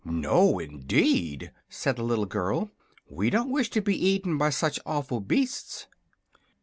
"No, indeed!" said the little girl. "We don't wish to be eaten by such awful beasts."